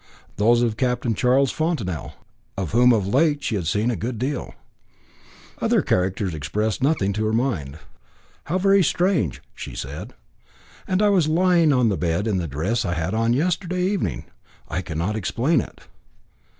those of Captain Charles Fontanel, of whom of late she had seen a good deal. Other characters expressed nothing to her mind. "How very strange!" she said; "and I was lying on the bed in the dress I had on yesterday evening. I cannot explain it."